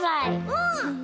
うん！